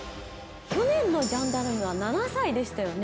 去年のジャンダルムは７歳でしたよね。